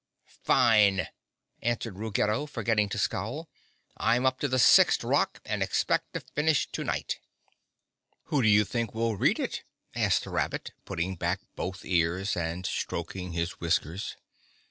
"Fine!" answered Ruggedo, forgetting to scowl. "I'm up to the sixth rock and expect to finish to night." "Who do you think will read it?" asked the rabbit, putting back both ears and stroking his whiskers.